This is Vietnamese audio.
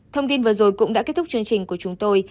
thông tin vừa rồi cũng đã kết thúc chương trình của chúng tôi